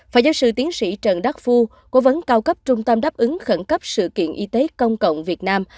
phó giáo sư tiến sĩ trần đắc phu cố vấn cao cấp trung tâm đáp ứng khẩn cấp sự kiện y tế công cộng việt nam